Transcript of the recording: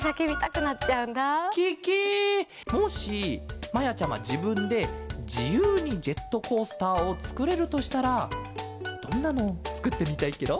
もしまやちゃまじぶんでじゆうにジェットコースターをつくれるとしたらどんなのをつくってみたいケロ？